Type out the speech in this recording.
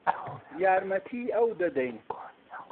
یارمەتیی ئەو دەدەین.